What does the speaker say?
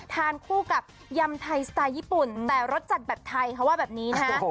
ทานคู่กับยำไทยสไตล์ญี่ปุ่นแต่รสจัดแบบไทยเขาว่าแบบนี้นะฮะ